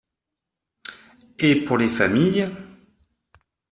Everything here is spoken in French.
Et pour les familles